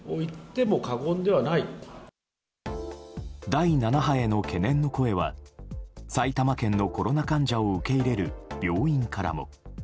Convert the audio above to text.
第７波への懸念の声は埼玉県のコロナ患者を受け入れる病院からも。